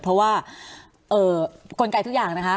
เพราะว่ากลไกทุกอย่างนะคะ